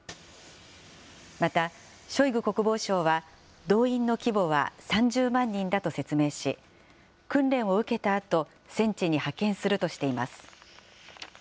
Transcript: また、ショイグ国防相は、動員の規模は３０万人だと説明し、訓練を受けたあと、戦地に派遣するとしています。